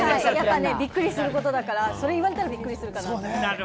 びっくりすることだから、それ言われたらびっくりするかなと思って。